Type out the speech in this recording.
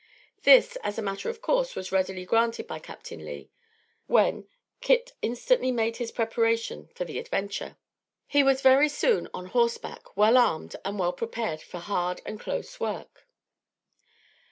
This, as a matter of course, was readily granted by Captain Lee; when, Kit instantly made his preparations for the adventure. He was very soon on horseback, well armed and well prepared for hard and close work.